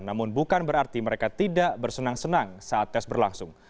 namun bukan berarti mereka tidak bersenang senang saat tes berlangsung